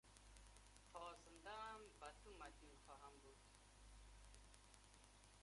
تا زندهام بهتو مدیون خواهم بود.